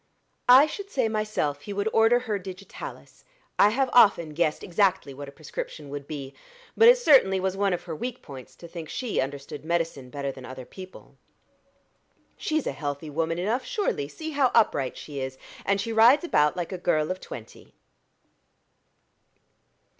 I should say myself he would order her digitalis: I have often guessed exactly what a prescription would be. But it certainly was one of her weak points to think she understood medicine better than other people." "She's a healthy woman enough, surely: see how upright she is, and she rides about like a girl of twenty."